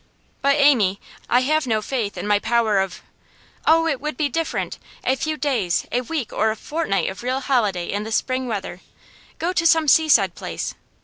'But, Amy, I have no faith in my power of ' 'Oh, it would be different! A few days a week or a fortnight of real holiday in this spring weather. Go to some seaside place.